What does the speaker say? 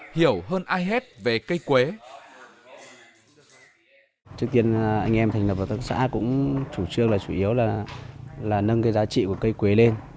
hiểu hơn ai hết về cây quế